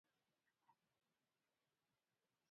هغوی باید د خپلې روغتیا لپاره کوم ټکي په پام کې ونیسي؟